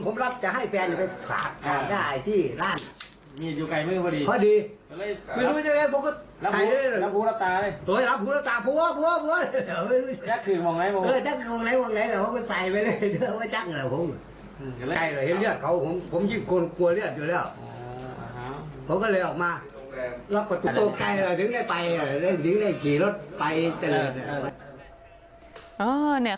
เพราะก็เลยออกมาแล้วก็ตัวใกล้แล้วดึงได้ไปดึงได้ขี่รถไปเต็มแล้ว